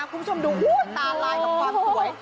คุณผู้ชมดูตาลายกับความสวย